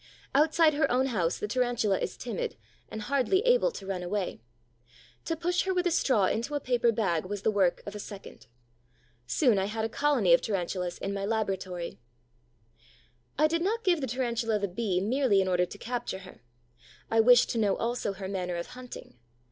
Outside her own house the Tarantula is timid and hardly able to run away. To push her with a straw into a paper bag was the work of a second. Soon I had a colony of Tarantulas in my laboratory. I did not give the Tarantula the Bee merely in order to capture her. I wished to know also her manner of hunting.